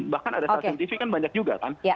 bahkan ada stasiun tv kan banyak juga kan